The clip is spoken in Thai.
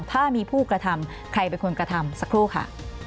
ถ้ามีผู้กระทำใครเป็นคนกระทำสักครู่ค่ะ